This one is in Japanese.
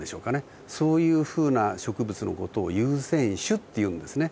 そういうふうな植物の事を優占種っていうんですね。